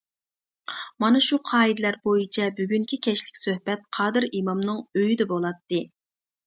مانا شۇ قائىدىلەر بويىچە بۈگۈنكى كەچلىك سۆھبەت قادىر ئىمامنىڭ ئۆيىدە بولاتتى.